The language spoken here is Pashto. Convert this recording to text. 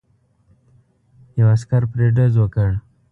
یو عسکر پرې ډز وکړ.